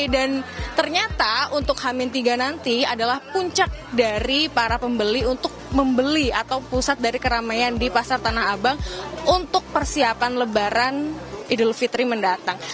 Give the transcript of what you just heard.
dan ternyata untuk hamin tiga nanti adalah puncak dari para pembeli untuk membeli atau pusat dari keramaian di pasar tanah abang untuk persiapan lebaran idul fitri mendatang